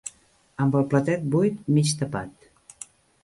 Amb el platet buit, mig tapat